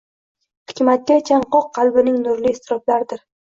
hikmatga chanqoq qalbining nurli iztiroblaridir.